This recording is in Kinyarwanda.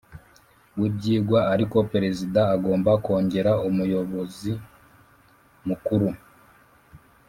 W ibyigwa ariko perezida agomba kongera umuyobozi mukuru